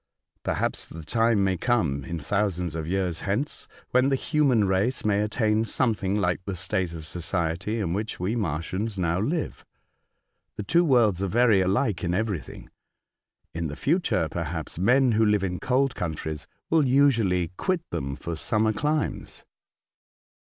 Perhaps the time may come, in thousands of years hence, when the human race may attain some thing hke the state of society in which we Martians now live. The two worlds are very much alike in everything. In the future, perhaps, men who live in cold countries will usually quit them for summer climes."